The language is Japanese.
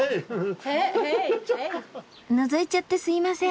のぞいちゃってすいません。